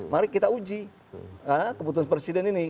mari kita uji keputusan presiden ini